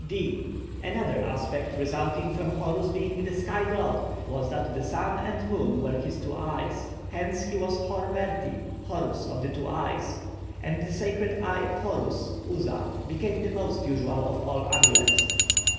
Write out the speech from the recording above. (D) Another aspect resulting from Horus being the 'sky' god, was that the sun and moon were his two eyes; hence he was Hor merti, Horus of the two eyes, and the sacred eye of Horus (uza) became the most usual of all amulets.